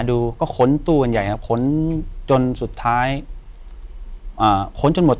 อยู่ที่แม่ศรีวิรัยิลครับ